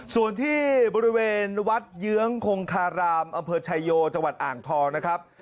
ส่วนที่บริเวณวัดเยื้องคงคารามอำเภอชายโยจังหวัดอ่างทองนะครับ